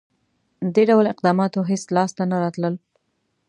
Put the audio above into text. • دې ډول اقداماتو هېڅ لاسته نه راتلل.